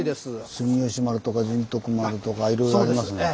「住吉丸」とか「神徳丸」とかいろいろありますね。